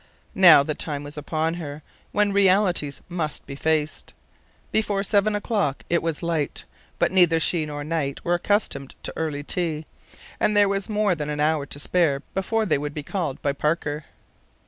Now the time was upon her when realities must be faced. Before seven o'clock it was light, but neither she nor Knight were accustomed to early tea, and there was more than an hour to spare before they would be called by Parker.